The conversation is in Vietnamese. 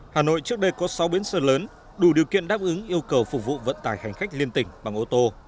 hà nội trước đây có sáu bến xe lớn đủ điều kiện đáp ứng yêu cầu phục vụ vận tải hành khách liên tỉnh bằng ô tô